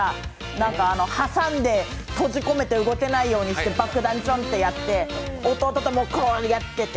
なんか、挟んで閉じ込めて動けないようにして爆弾をチョンってやって、弟とこうやってて。